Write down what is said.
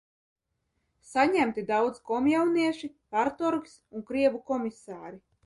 Saņemti daudz komjaunieši, partorgs un krievu komisāri.